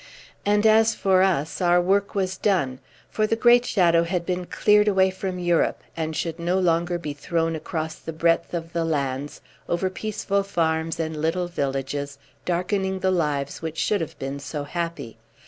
And as for us, our work was done, for the great shadow had been cleared away from Europe, and should no longer be thrown across the breadth of the lands, over peaceful farms and little villages, darkening the lives which should have been so happy.